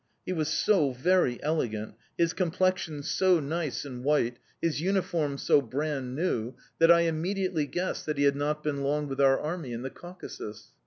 He was so very elegant, his complexion so nice and white, his uniform so brand new, that I immediately guessed that he had not been long with our army in the Caucasus.